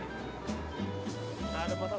nah udah pasang